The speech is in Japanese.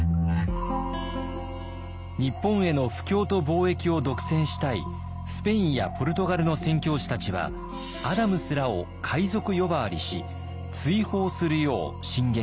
日本への布教と貿易を独占したいスペインやポルトガルの宣教師たちはアダムスらを海賊呼ばわりし追放するよう進言していました。